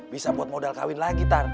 bisa buat modal kawin lagi